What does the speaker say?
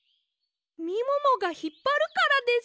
みももがひっぱるからです！